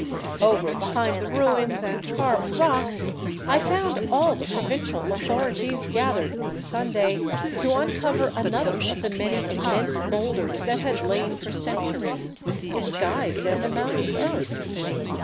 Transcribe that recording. Over behind the ruins and carved rocks I found all the provincial " authorities '* gathered one Sunday to uncover another of the many immense boulders that had lain for centuries disguised as a mound of earth.